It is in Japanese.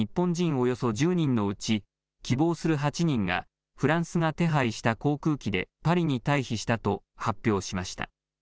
およそ１０人のうち希望する８人がフランスが手配した航空機でパリに退避したと発表しました。